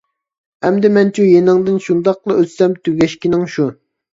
ئەمدى مەنچۇ، يېنىڭدىن شۇنداقلا ئۆتسەم تۈگەشكىنىڭ شۇ!